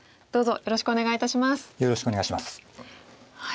よろしくお願いします。